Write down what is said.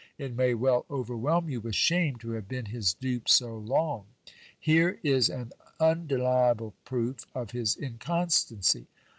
It may well overwhelm you with shame, to have been his dupe so long. Here is an undeniable proof of his inconstancy.